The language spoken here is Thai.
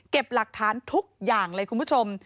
หลักฐานทุกอย่างเลยคุณผู้ชม